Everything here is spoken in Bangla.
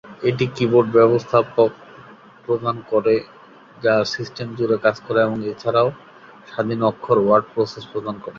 এটি কিবোর্ড ব্যবস্থাপক প্রদান করে যা সিস্টেম জুড়ে কাজ করে এবং এছাড়াও স্বাধীন অক্ষর ওয়ার্ড প্রসেসর প্রদান করে।